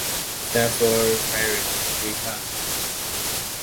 Stafford married three times.